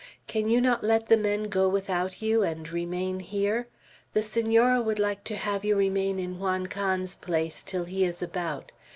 Can you not let the men go without you, and remain here? The Senora would like to have you remain in Juan Can's place till he is about.